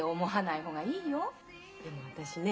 でも私ね